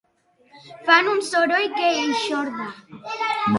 Fan un soroll que eixorda.